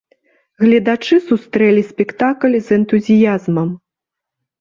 Гледачы сустрэлі спектакль з энтузіязмам.